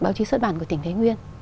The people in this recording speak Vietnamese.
báo chí xuất bản của tỉnh thái nguyên